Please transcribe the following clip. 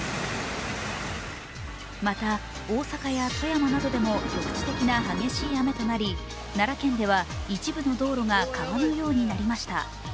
また大阪や富山などでも局地的な激しい雨となり奈良県では一部の道路が川のようになりました。